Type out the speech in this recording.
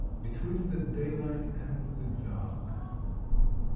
BETWEEN THE DAYLIGHT AND THE DARK.